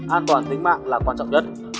an toàn tính mạng là quan trọng nhất